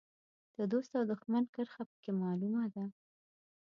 د دوست او دوښمن کرښه په کې معلومه ده.